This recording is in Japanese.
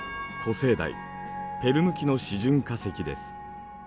生代・ペルム紀の示準化石です。